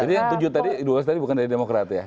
jadi yang tujuh tadi dua belas tadi bukan dari demokrat ya